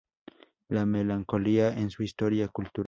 La melancolía en su historia cultural".